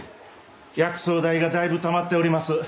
薬草代がだいぶたまっております